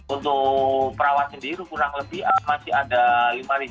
untuk perawat sendiri kurang lebih masih ada lima